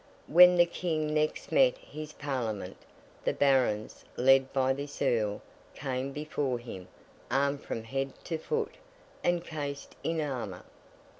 When the King next met his Parliament, the Barons, led by this Earl, came before him, armed from head to foot, and cased in armour.